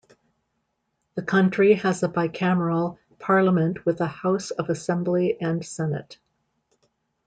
The country has a bicameral Parliament with a House of Assembly and Senate.